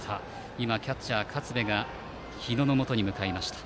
キャッチャー、勝部が日野のもとに向かいました。